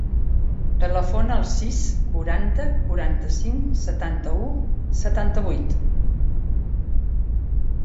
Telefona al sis, quaranta, quaranta-cinc, setanta-u, setanta-vuit.